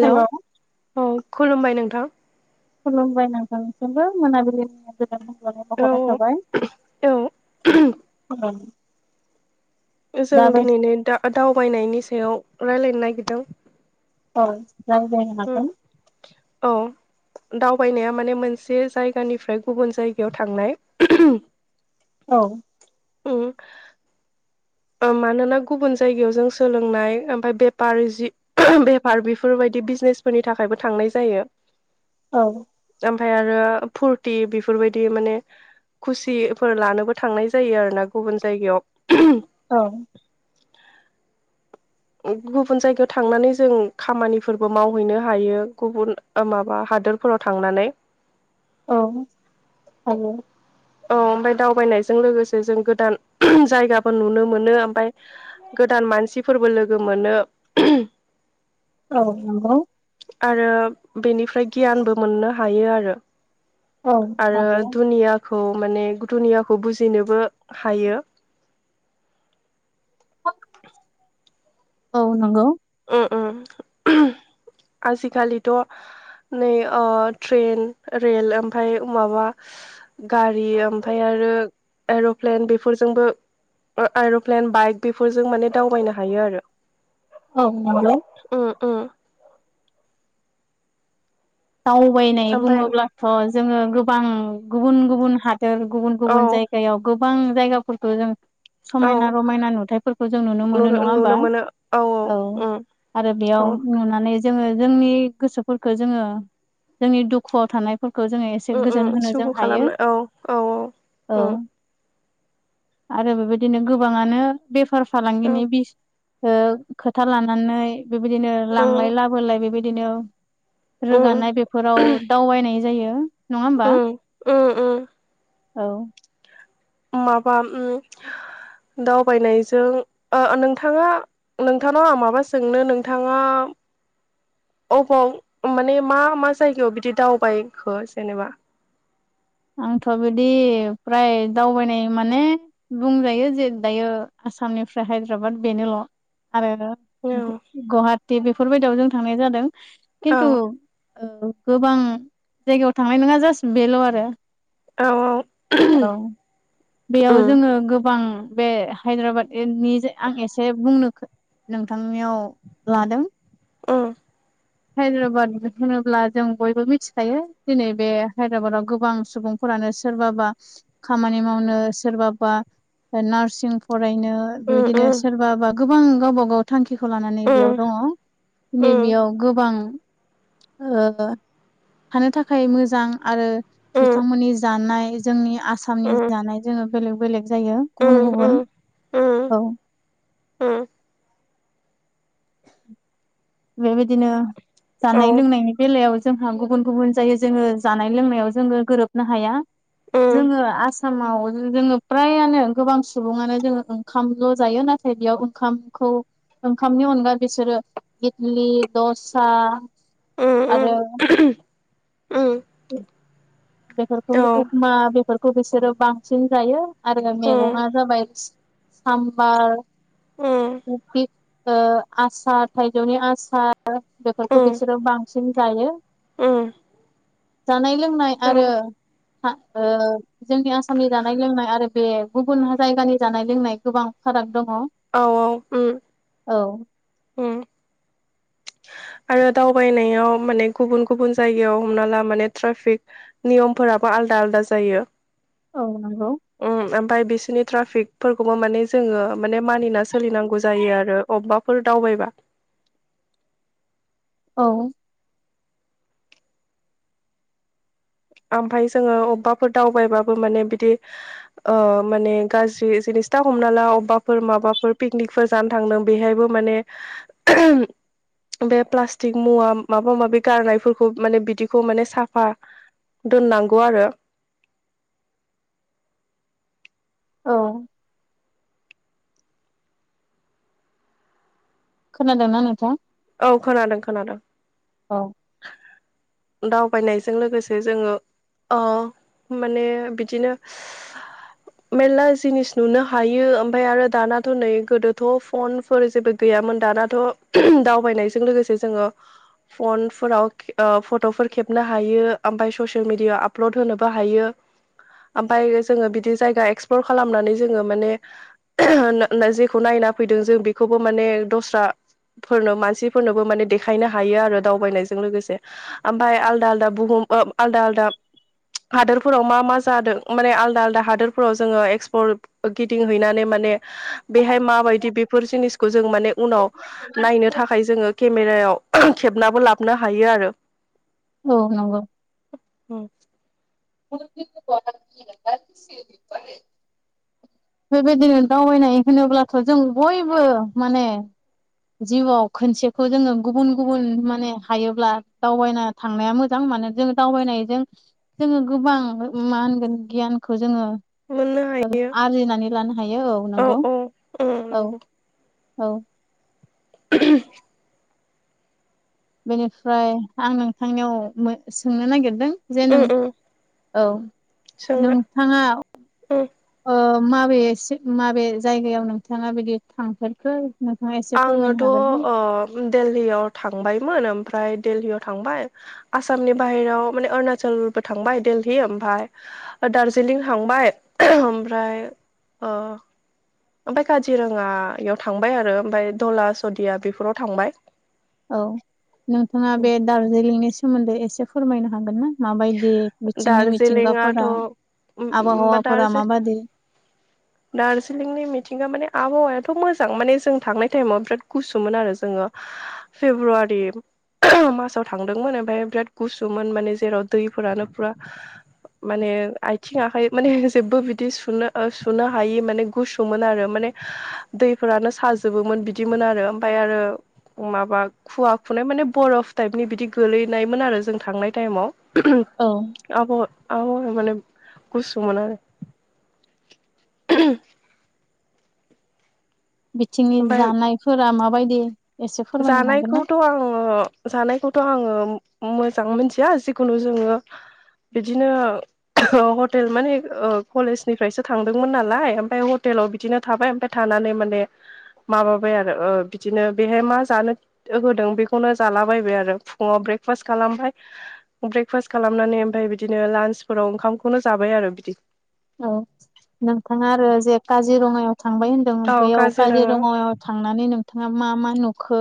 Hello औ खुलुमबाय नोंथां। खुलुमबाय नोंथांनिसिमबो मोनाबिलिनि गाहाम हामलायनाय औ बावहरनाय थाबाय औ जों दाबो दिनैनो दा दावबायनायनि सायाव रायलायनो नागिरदों औ रायज्लायनो हागोन। औ दावबायनाया माने मोनसे जायगानिफ्राय गुबुन जायगायाव थांनाय औ उम मानोना गुबुन जायगायाव जों सोलोंनाय ओमफाय बेफारि जि बेफार बेफोरबाय दि बिजनेसफोरनि थाखायबो थांनाय जायो। औ ओमफाय आरो फुरथि बेफोरबायदि माने खुसिफोर लानोबो थांनाय जायो आरोना गुबुन जायगायाव औ [inaudible] गुबुन जायगायाव थांनानै जों खामानिफोरबो मावहैनो हायो गुबुन माबा हादोर फोराव थांनानै औ औ औ ओमफ्राय दावबायनायजों लोगोसे जों गोदान जायगा‌बो नुनो मोनो ओमफ्राय गोदान मानसिफोरबो लोगो मोनो। औ नंगौ आरो बेनिफ्राय गियानबो मोननो हायो आरो औ आरो नंगौ दुनिया खौ माने दुनियाखौ बुजिनोबो हायो। औ नंगौ। उम उम आजिखालिथ' नै ओ ट्रेन रेल ओमफाय ओ माबा गारि ओमफाय आरो रो एर'प्लेन बेफोरजोंबो एर'प्लेन बाइक बेफोरजों माने दावबायनो हायो आरो औ नंगौ उम उम दावबायनाय ओमफ्राय बुङोब्लाथ जोंङो गोबां गुबुन गुबुन हाद गुबुन औ गुबुन जायगायाव गोबां जायगाफोरखौ जों औ समायना रमायना नुथायफोरखौ जों नुनो मोनो नङा होमबा औ उम आरो बेयाव औ नुनानै जोङो जोंनि गोसोफोरखौ जोङो जोंनि दुखुआव थानाय फोरखौ जोंङो एसे उम गोजोन उम होनो जों सुगु हायो खालामनो औ औ औ उम आरो बेबायदिनो गोबाङानो बेफार फालांगिनि उम बिस ओ खोथा लानानै बेबायदिनो लांलाय उम लाबोलाय बेबायदिनो उम रोगानाय बेफोराव दावबायनाय जायो नङा होमबा उम उम उम औ माबा उम दावबायनायजों ओ नोंथाङा नोंथांनाव माबा सोंनो नोंथाङा [inaudible] अबाव माने मा मा जायगायाव बिदि दावबायखो जेनेबा आंथ बिदि फ्राय दावबायनाय माने बुंजायो जे दायो आसामनिफ्राय हायद्राबाद बेनोल आरो औ गुवाहाटि बेफोरबायदियाव जों थांनाय जादों औ खिन्थु औ गोबां जायगायाव थांनाय नङा जास्ट बेल आरो औ औ बेयाव उम जोङो गोबां बे हायद्राबादनि आं एसे बुंनो नोंथांनियाव लादों उम हायद्राबाद होनोब्ला जों बयबो मिथिखायो दिनै बे हायद्राबादाव गोबां सुबुंफोर सोरबाबा खामानि मावनो सोरबाबा नारसिं फ रायनो उम उम बेबायदिनो सोरबा बा गोबां गावबा गाव थांखि साख्रिखौ लानानै बेयाव उम दंङ दिनै उम बेयाव गोबां ओ थानो थाखाय मोजां आरो उम बिथांमोननि जानाय जोंनि आसामनि उम जानाय जोङो बेलेग बेलेग जायो गुबुन उम गुबुन उम उम औ उम बेबायदिनो औ जानाय लोंनायनि बेलायाव जोंहा गुबुन गुबुन जायो जोङो जानाय लोंनायाव जोङो गोरोबनो हाया उम जोङो आसामाव जोङो प्रायानो गोबां सुबुङानो जोंङो ओंखामल' जायो नाथाय बेयाव ओंखामखौ ओंखामनि अनगा बिसोरो इदलि दससा आरो उम उम उम बेफोरखौ औ अखमा बेफोरखौ बिसोरो बांसिन जायो आरो उम मेगंआ जाबाय सामबार उम आसार थाइजौनि आसार बेफोरखौ उम बिसोरो बांसिन जायो उम जानाय लोंनाय औ आरो जोंनि आसामनि जानाय लोंनाय आरो बे गुबुन जायगानि जानाय लोंनाय गोबां फाराग औ औ उम उम आरो दावबायनायाव माने गुबुन गुबुन जायगायाव हमना ला माने ट्राफिक नियमफोरा आलदा आलदा जायो औ नंगौ उम ओमफ्राय बिसोरनि ट्राफिकफोरखौबो माने जोङो माने मानिना सोलिनांगौ जायो आरो अबेबाफोर दावबायबा [inaudible] औ ओमफाय जोङो अबेबाफोर दावबायबाबो माने बिदि माने गाज्रि सिथा हमना ला अबेबाफोर माबाफोर पिकनिकफोर जानो थांदों बेहायबो माने बे प्लास्टिक मुवा माबा माबि गारनायफोरखौ माने बिदिखौ माने साफा दोननांगौ आरो औ खोनादोंना नोंथां औ खोनादों खोनादों औ दावबायनायजों लोगोसे जोङो अ माने बिदिनो मेरला जिनिस नुनो हायो ओमफफ्राय आरो दानाथ' नै गोदोथ' फनफोर जेबो गैया गैयामोन दानाथ' दावबायनायजों लोगोसे जोङो फनफोराव फट'फोर खेबनो हायो ओमफ्राय ससियेल मिेडियाायाव आपल'ड होनोबो हायो ओमफाय जोङो बिदि जायगा एक्सप्लर खालामनानै जोङो माने जेखौ नाय फैदों जों बेखौबो माने दस्राफोरनो मानसि नोबो माने देखायनो हायो आरो दावबायनायजों लोगोसे ओमफ्राय आलदा आलदा बुहुम आलदा आदा दा हादोरफोराव मा मा जादों माने आलदा आलदा हादोरफोराव जोङो एक्सपर् गिदिंहैनानै माने माने बेहाय माबायदि बेफोर जिनिसखौ जों माने उनाव नायनो थाखाय जोङो केमेरायाव खेबनाबो लाबोनो हायो आरो औ नंगौ। [unintelligible] बेबायदिनो दावबायनाय होनोब्लाथ' जों बयबो माने जिउआव खनसेखौ जोङो गुबुन गुबुन माने हायोब्ला दावबायना थांनाया मोजां मानो जोङो दावबायनायजों जोङो गोबां मा होनगोन गियानखौ जोङो मोननो हायो। बुजिनानै लानो हायो औ नंगौ उम औ नंगौ औ [unintelligible] बेनिफ्राय आं नोंथांनियाव मोन सोंनो नागिरदों जे नों उम उम औ सोंनो नोंथाङा उम ओ माबेसे माबे जायगायाव नोंथाङा बिदि थांफेरखो नोंथाङा एसे फोरमायनो हागोन ना? आङोथ' दिल्ललिीयाव थांबाय ओमफ्राय दिलीयाव थांबाय आसामनि बाहेरायाव माने अरुणाचलबो थांबाय दिली ओमाय दार्जिलिं थांबाय ओमफ्राय ओमफाय काजिरङायाव थांबाय आरो ओमफफ्राय ला सदिया बेफोराव थांबाय औ नोंथाङा बे दार्जिलिंनि सोमोन्दै एसे फोरमायनो हागोन ना माबायदि बिथिंनि दार्जिलिंआथ' मिथिंगाफोरा बा आबहावाफोरा दार्जि माबादि दार्जिलिंनि मिथिगा मानि आबहावा थ' मोजां माने जों थांनाय टाइमाव बिराद गुसुमोन आरो जोङो फेब्रुवारि मासाव थांदोंमोन ओमफ्राय बिराद गुसुमोन माने जेराव दैफोरानो फुरा माने आथिं आखाइ माने जेबो बिदि सुनो ओ सुनो हायि माने गुसुमोन आरो माने मानि दैफोरानो साजोबोमोन बिदिमोन आरो ओमफाय आरो माबा खुवा खुनाय माने बरफ टाइपनि बिदि गोलैनायमोन आरो जों थांनाय टाइमाव औ आब' आब' माने गुसुमोन आरो [inaudible] बिथिंनि ओमफ्राय जानायफोरा माबायदि एसे फोरमायनो हागोन ना? जानायखौथ' आङो जानायखौथ' आङो मोजां मोनथिया जिखुनु जोङो। बिदिनो हटेल माने कलेजनिफ्रायसो थांदोंमोन नालाय ओमफ्राय हटेल बिदिनो थाबाय मफ्राय थानानै माने माबाबाय आरो बिदिनो बेहाय मा जानो होदों बेखौनो जालाबायबाय आरो फुङाव ब्रेकफास्ट खालामबाय ब्रेकफास्ट खालाम नानै ओमफ्राय बिदिनो लान्सफोराव ओंखामखौनो जाबाय आरो बिदि। औ नोंथाङा आरो जे काजिरङायाव थांबाय होनदों औ बेयाव काजिरङा काजिरङायाव थांनानै नोंथाङा मा मा नुखो?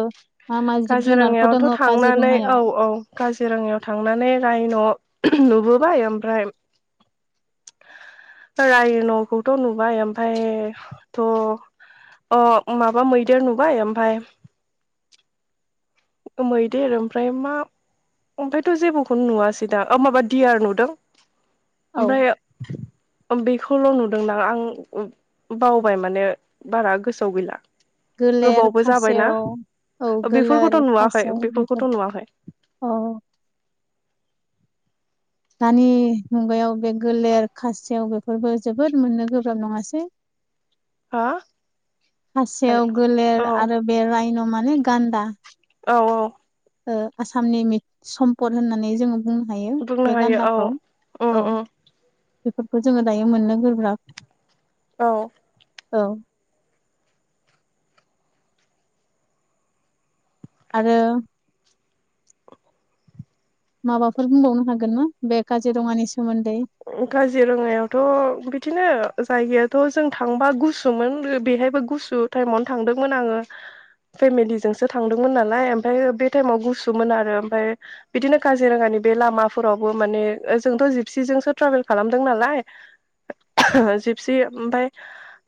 मा मा जिब जुनारफोर दङ काजिरङायावथ' थांनानै औ काजिरङायाव औ काजि रङायाव थांनानै रायन' नुबोबाय ओमफ्राय रायन'खौथ' नुबाय ओमफायथ' अ माबा मैदेर नुबाय ओमफाय मैदेर ओमफ्राय मा ओमफायथ' जेबोखौनो नुवासै दां ओ माबा दियार नुदों औ ओमफ्राय बेखौल' नुदों दां आं बावबाय माने बारा गोसोआव गैला। गोलेर गोबावबो जाबायना खासेव औ ओ बेफोरखौ गोलेर नुवाखै खासेव बेफोर बेफोरखौथ' नुवाखै। औ दानि मुगायाव बे गोलेर खासेव बेफोरबो जोबोद मोननो गोब्राब नङासै। हा खासेयाव गोलेर औ आरो बे रायन' माने गान्दा औ औ। ओ आसामनि मि सम्पद होननानै जोङो बुंनो हायो बुंनो बे हायो औ गान्दाखौ उम औ। उम बेफोरखौ जोङो दायो मोननो गोब्राब। औ। औ। आरो माबाफोर बुंबावनो हागोन ना बे काजिरङानि सोमोन्दै? काजिरङायावथ' बिदिनो जायगायाथ' जों थांबा गुसोमोन बेहाय बो गुसु टाइमावनो थांदोंमोन आंङो। फेमिलिजोंसो थांदोंमोन नालाय ओमफ्रायाय बे टाइमाव गुसोमोन आरो ओमफ्राय बिदिनो काजिरङानि बे लामाफोरावबो माने जोंथ' जिपसिजोंसो ट्रेभेल खालामदों नालाय जिपसि ओमफ्राय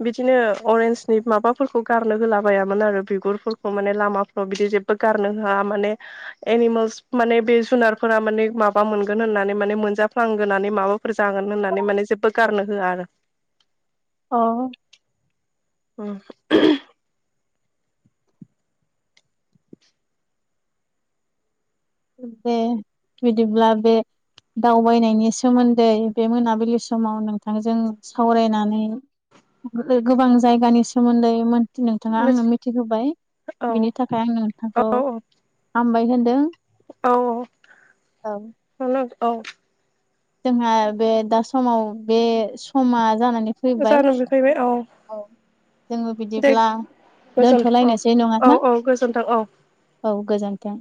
बिदिनो अरेन्जनि माबाफोरखौ गारनो होलाबायामोन। आरो बिगुर फोरखौ माने लामाफोराव बिदि जेब्बो गारनो होआ माने एनिमेलस माने बे जुना नारफोर माने माबा मोनगोन होननानै माने मोनजाफ्लांगोनानै माबा फोर जागोन होननानै माने जेबो गारनो होआ आरो। औ। उम्म बे बिदिब्ला बे दावबायनायनि सोमोन्दै बे मोनाबिलि समाव नोंथांजों सावरायनानै गोबां जायगानि सोमोन्दै नोंथाङा आंनो मिथिहोबाय बिनि थाखाय आं औ नोंथांखौ हामबाय होनदों। औ औ औ औ। जोंहा बे दा समाव बे समा जानानै फैबाय जानो फैबाय औ। जोङो दे बिदिब्ला गोजोनथों औ दोनथ'लायनोसै नङा औ ना औ गोजोनथों औ औ गोजोन थों